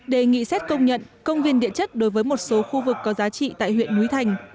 đề nghị xét công nhận công viên địa chất đối với một số khu vực có giá trị tại huyện núi thành